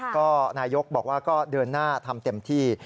ก็นายกบอกว่าก็เดินหน้าทำเต็มที่